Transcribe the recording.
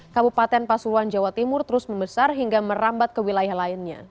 kabupaten pasuruan jawa timur terus membesar hingga merambat ke wilayah lainnya